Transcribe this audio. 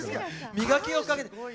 磨きをかけて。